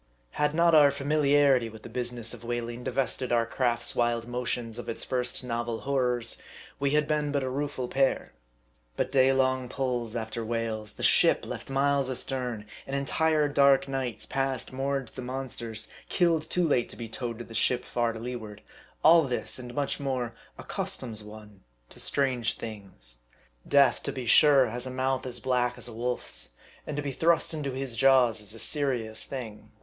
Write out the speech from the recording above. Had not our familiarity with the business of whaling divested our craft's wild motions of its first novel horrors, we had been but a rueful pair. But day long pulls after whales, the ship left miles astern ; and entire dark nights passed moored to the monsters, killed too late to be towed to the ship far to leeward : all this, and much more, ac customs one to strange things. Death, to be sure, has a mouth as black as a wolf's, and to be thrust into his jaws is a serious thing.